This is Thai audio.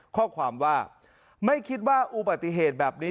ข้อความว่าไม่คิดว่าอุบัติเหตุแบบนี้